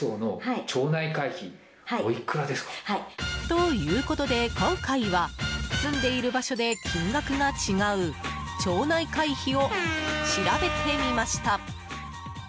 ということで今回は住んでいる場所で金額が違う町内会費を調べてみました。